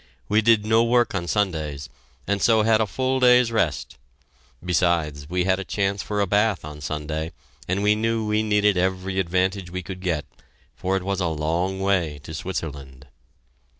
We did no work on Sundays, and so had a full day's rest. Besides, we had a chance for a bath on Sunday, and knew we needed every advantage we could get, for it was a long way to Switzerland.